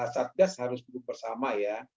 satgas harus bersama ya